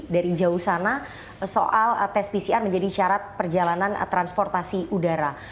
dari jauh sana soal tes pcr menjadi syarat perjalanan transportasi udara